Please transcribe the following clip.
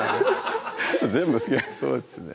全部好きなんですそうですね